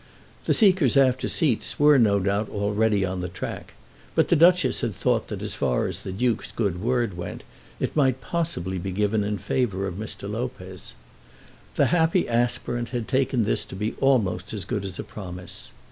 The seekers after seats were, no doubt, already on the track; but the Duchess had thought that as far as the Duke's good word went, it might possibly be given in favour of Mr. Lopez. The happy aspirant had taken this to be almost as good as a promise.